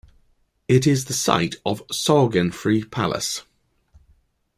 It is the site of Sorgenfri Palace.